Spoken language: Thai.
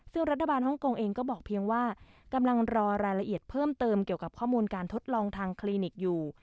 ซึ่งรัฐบาลฮ่องกงเองก็บอกเพียงว่ากำลังรอรายละเอียดเพิ่มเติมเกี่ยวกับข้อมูลการทดลองทางคลินิกอยู่